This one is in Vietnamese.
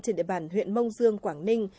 trên địa bàn huyện mông dương quảng ninh